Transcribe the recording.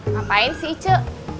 ngapain si ica